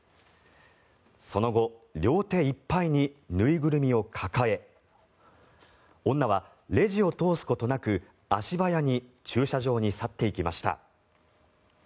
その後、両手いっぱいに縫いぐるみを抱え女は、レジを通すことなく足早に駐車場に去っていきました。